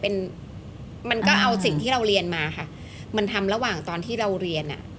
เป็นมันก็เอาสิ่งที่เราเรียนมาค่ะมันทำระหว่างตอนที่เราเรียนอ่ะ